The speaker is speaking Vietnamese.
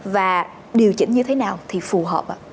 và điều chỉnh như thế nào thì phù hợp